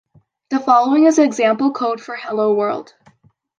The following is example code for Hello World!